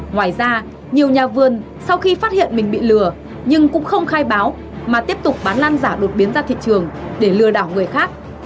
ngoài ra nhiều nhà vườn sau khi phát hiện mình bị lừa nhưng cũng không khai báo mà tiếp tục bán lan giả đột biến ra thị trường để lừa đảo người khác